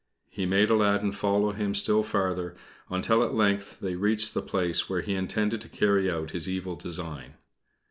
He made Aladdin follow him still farther, until at length they reached the place where he intended to carry out his evil design.